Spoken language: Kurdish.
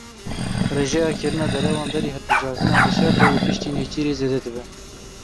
Rêjeya kirina derewan berî hilbijartinan, di şer de û piştî nêçîrê zêde dibe.